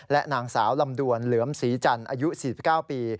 และนางสาวลำดวนเหลือมศรีจันทร์อายุ๔๙ปี